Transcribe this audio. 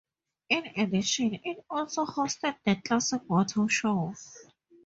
In addition, it also hosted the Classic Motor Show.